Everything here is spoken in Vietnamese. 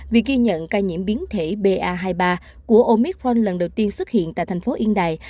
vì ghi nhận ca nhiễm biến thể ba hai mươi ba của omicron lần đầu tiên xuất hiện tại thành phố yên đài